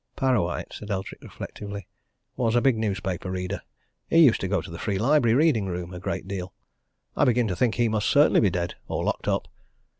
"Parrawhite," said Eldrick reflectively, "was a big newspaper reader. He used to go to the Free Library reading room a great deal. I begin to think he must certainly be dead or locked up.